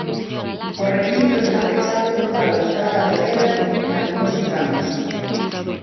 O recinto está pechado por balaustrada de pedra nalgúns tramos.